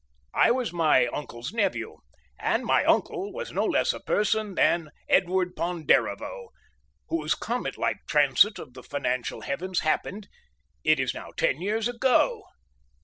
I was my uncle's nephew, and my uncle was no less a person than Edward Ponderevo, whose comet like transit of the financial heavens happened—it is now ten years ago!